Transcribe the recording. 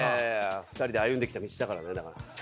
２人で歩んできた道だからね。